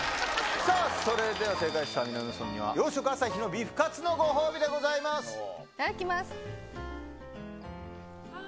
さあ、それでは正解した南野さんには洋食の朝日のビフカツのご褒美でごいただきます。